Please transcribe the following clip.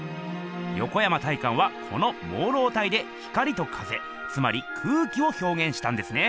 横山大観はこの朦朧体で光と風つまり空気をひょうげんしたんですね。